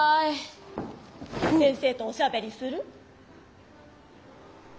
先生とおしゃべりする？